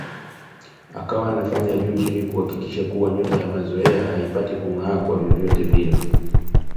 Akawa anafanya juu chini kuhakikisha kuwa nyota ya Mazoa haipati kung'aa kwa vyovyote vile